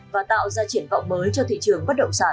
và tạo ra triển vọng mới cho thị trường bất động sản